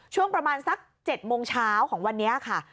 ช่วงประมาณสัก๗โมงเช้าของวันนี้ค่ะ